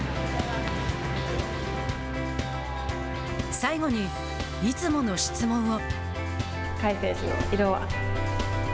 最後に、いつもの質問を。